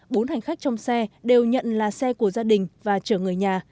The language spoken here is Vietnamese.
bốn hành khách trong xe đều nhận là xe của gia đình và chở người nhà